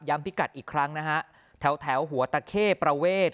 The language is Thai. พิกัดอีกครั้งนะฮะแถวหัวตะเข้ประเวท